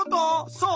そう！